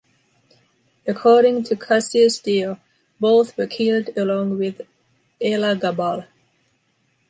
According to Cassius Dio, both were killed along with Elagabal.